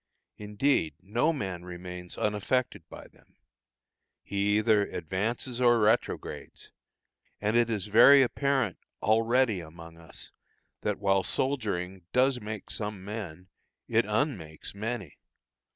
Indeed, no man remains unaffected by them; he either advances or retrogrades, and it is very apparent already among us that while soldiering does make some men, it un makes many.